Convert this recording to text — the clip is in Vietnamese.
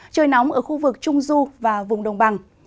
trời nóng ở khu vực trung du và vùng đồng bằng